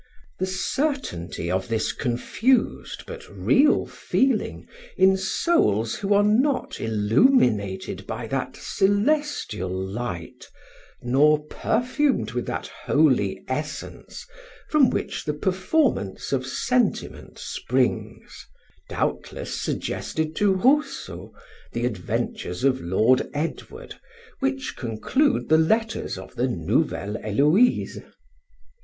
The certainty of this confused, but real, feeling in souls who are not illuminated by that celestial light, nor perfumed with that holy essence from which the performance of sentiment springs, doubtless suggested to Rousseau the adventures of Lord Edward, which conclude the letters of the Nouvelle Heloise.